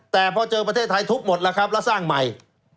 แต่พอเจอประเทศไทยทุบหมดแล้วครับแล้วสร้างใหม่